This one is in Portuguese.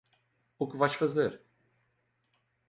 O que vais fazer?